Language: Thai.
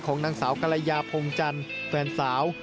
นางสาวกรยาพงจันทร์แฟนสาว